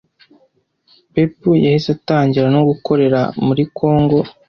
Pepu yahise atangira no gukorera muri kongo